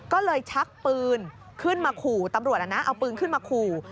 ก็เลยชักปืนขึ้นมาขู่ตำรวจเอาปืนขึ้นมาขู่